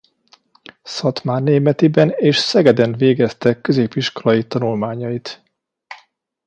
Szatmárnémetiben és Szegeden végezte középiskolai tanulmányait.